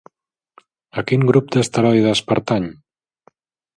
A quin grup d'asteroides pertany?